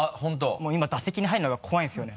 もう今打席に入るのが怖いんですよね。